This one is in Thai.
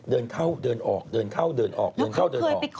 เดินเข้าเดินออกเดินเข้าเดินออกเดินเข้าเดินออก